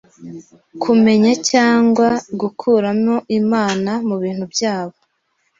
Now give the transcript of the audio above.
kumenya cyangwa gukuramo imana mubintu byabo